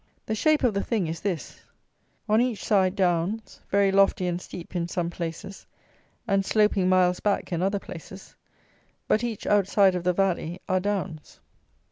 The shape of the thing is this: on each side downs, very lofty and steep in some places, and sloping miles back in other places; but each outside of the valley are downs.